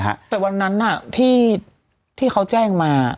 แต่วันนั้นที่เขาแจ้งมา